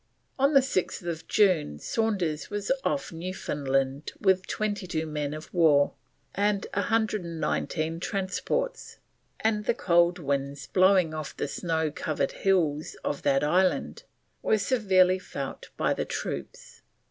On the 6th June Saunders was off Newfoundland with 22 men of war and 119 transports, and the cold winds blowing off the snow covered hills of that island were severely felt by the troops.